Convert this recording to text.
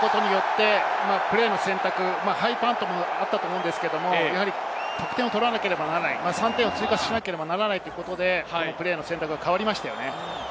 カードが出ることによってプレーの選択、ハイパントもあったと思うんですけれど、得点を取らなければならない、３点を追加しなければならないということで、プレーの選択が変わりましたね。